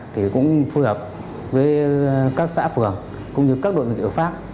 thì cũng phù hợp với các xã phường cũng như các đội dịch vụ pháp